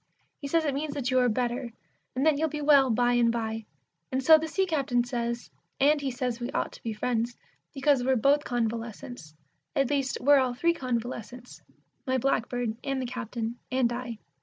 He says it means that you are better, and that you'll be well by and by. And so the Sea captain says, and he says we ought to be friends, because we're both convalescents at least we're all three convalescents, my blackbird, and the Captain and I.